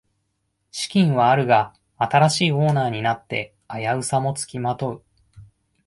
資金はあるが新しいオーナーになって危うさもつきまとう